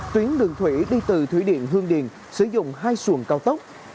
tuyến đường thủy đi từ thủy điện hương điền sử dụng hai xuồng cao tốc